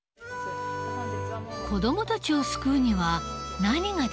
子どもたちを救うには何ができるのか。